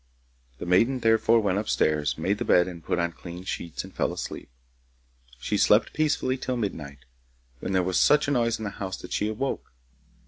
The maiden therefore went upstairs, made the bed and put on clean sheets and fell asleep. She slept peacefully till midnight, when there was such a noise in the house that she awoke.